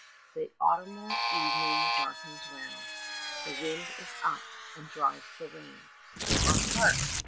The autumnal evening darkens round The wind is up, and drives the rain; While hark!